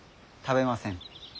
食べません。